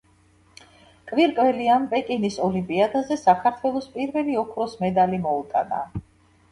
კვირკველიამ პეკინის ოლიმპიადაზე საქართველოს პირველი ოქროს მედალი მოუტანა.